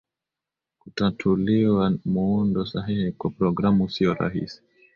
kutatuliwa muundo sahihi kwa programu siyo rahisi